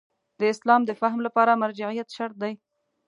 د اسلام د فهم لپاره مرجعیت شرط دی.